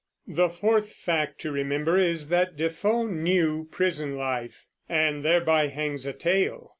The fourth fact to remember is that Defoe knew prison life; and thereby hangs a tale.